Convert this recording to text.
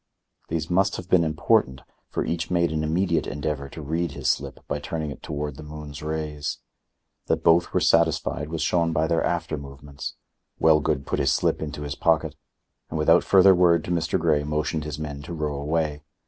These must have been important, for each made an immediate endeavor to read his slip by turning it toward the moon's rays. That both were satisfied was shown by their after movements. Wellgood put his slip into his pocket, and without further word to Mr. Grey motioned his men to row away.